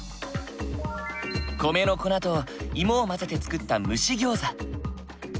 米の粉といもを混ぜて作った蒸し餃子。